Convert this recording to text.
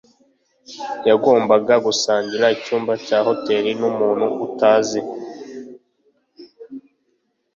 Yagombaga gusangira icyumba cya hoteri n’umuntu utazi.